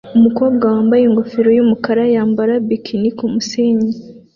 Umukobwa wambaye ingofero yumukara yambara bikini kumusenyi